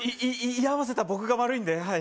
居合わせた僕が悪いんではい